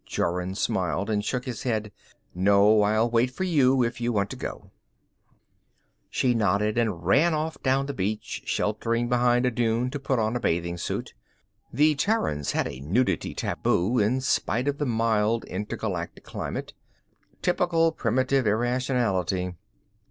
Jorun smiled and shook his head. "No, I'll wait for you if you want to go." She nodded and ran off down the beach, sheltering behind a dune to put on a bathing suit. The Terrans had a nudity taboo, in spite of the mild interglacial climate; typical primitive irrationality.